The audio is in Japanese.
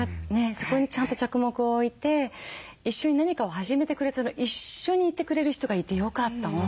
そこにちゃんと着目を置いて一緒に何かを始めてくれて一緒にいてくれる人がいてよかった本当に。